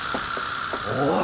おい！